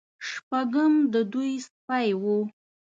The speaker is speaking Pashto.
شپږم د دوی سپی و.